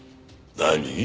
何？